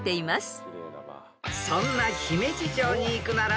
［そんな姫路城に行くなら］